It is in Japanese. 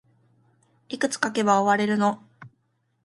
いくつ書けば終われるの